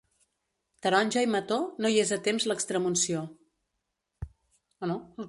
Taronja i mató, no hi és a temps l'extremunció.